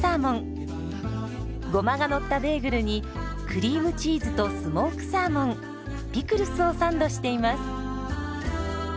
ゴマがのったベーグルにクリームチーズとスモークサーモンピクルスをサンドしています。